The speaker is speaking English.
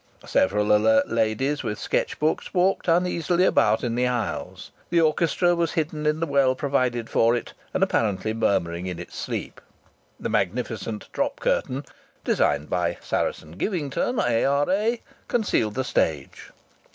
Several alert ladies with sketch books walked uneasily about in the aisles. The orchestra was hidden in the well provided for it, and apparently murmuring in its sleep. The magnificent drop curtain, designed by Saracen Givington, A.R.A., concealed the stage.